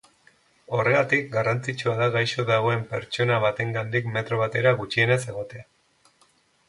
Horregatik, garrantzitsua da gaixo dagoen pertsona batengandik metro batera gutxienez egotea.